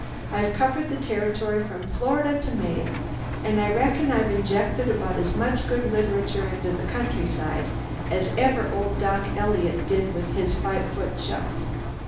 I've covered the territory from Florida to Maine and I reckon I've injected about as much good literature into the countryside as ever old Doc Eliot did with his five foot shelf.